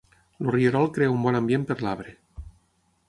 El rierol crea un bon ambient per l'arbre.